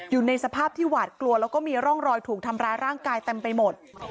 อยู่ในสภาพที่หวาดกลัวแล้วก็มีร่องรอยถูกทำร้ายร่างกายเต็มไปหมด